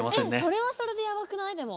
それはそれでやばくない？